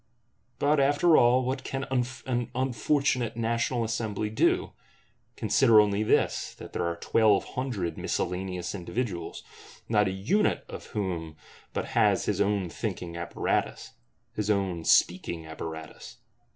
But, after all, what can an unfortunate National Assembly do? Consider only this, that there are Twelve Hundred miscellaneous individuals; not a unit of whom but has his own thinking apparatus, his own speaking apparatus!